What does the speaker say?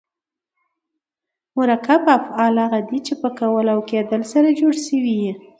مرکب افعال هغه دي، چي په کول او کېدل سره جوړ سوي یي.